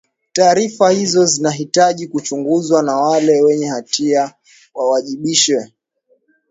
taarifa hizo zinahitaji kuchunguzwa na wale wenye hatia wawajibishwe